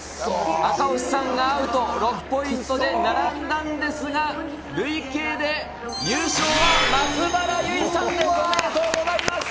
赤星さんがアウト、６ポイントで並んだんですが累計で優勝は松原ゆいさん、おめでとうございます！